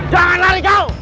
jangan lari kau